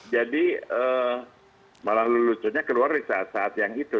jadi malah lucunya keluar di saat saat yang itu